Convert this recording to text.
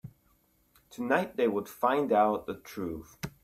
Tonight, they would find out the truth.